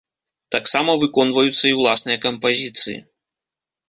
Таксама выконваюцца і ўласныя кампазіцыі.